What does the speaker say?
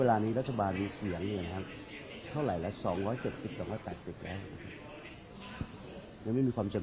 อาจจะเป็นสอบสอบที่คุณแม่งควดใหม่